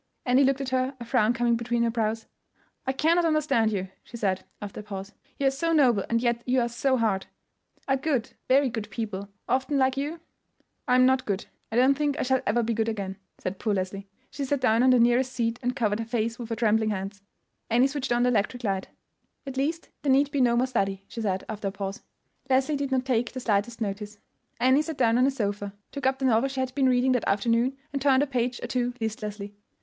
Annie looked at her, a frown coming between her brows. "I cannot understand you," she said, after a pause. "You are so noble, and yet you are so hard. Are good, very good, people often like you?" "I am not good. I don't think I shall ever be good again," said poor Leslie. She sat down on the nearest seat, and covered her face with her trembling hands. Annie switched on the electric light. "At least there need be no more study," she said, after a pause. Leslie did not take the slightest notice. Annie sat down on a sofa, took up the novel she had been reading that afternoon, and turned a page or two listlessly.